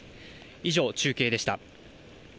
以上、中継でした。